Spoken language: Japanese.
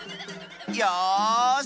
よし！